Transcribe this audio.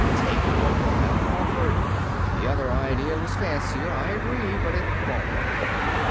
"Take what I've offered. The other idea was fancier, I agree, but it won't work."